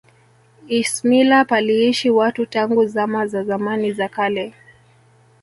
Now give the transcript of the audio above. ismila paliishi watu tangu zama za zamani za kale